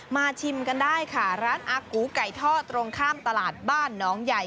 ชิมกันได้ค่ะร้านอากูไก่ทอดตรงข้ามตลาดบ้านน้องใหญ่